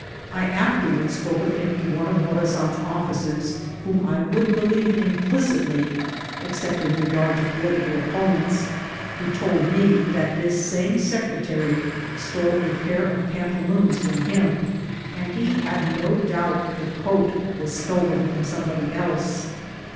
I afterward spoke of him to one of Morazan's officers, whom I would believe implicitly except in regard to political opponents, who told me that this same secretary stole a pair of pantaloons from him, and he had no doubt the coat was stolen from somebody else.